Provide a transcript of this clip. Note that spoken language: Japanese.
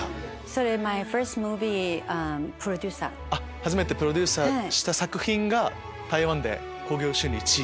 初めてプロデュースした作品が台湾で興行収入１位。